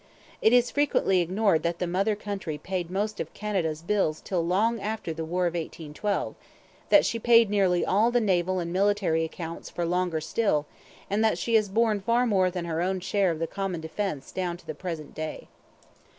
It is frequently ignored that the mother country paid most of Canada's bills till long after the War of 1812, that she paid nearly all the naval and military accounts for longer still, and that she has borne far more than her own share of the common defence down to the present day.